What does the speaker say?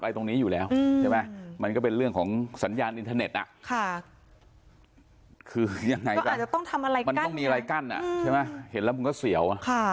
เห็นแล้วมึงก็เสี่ยว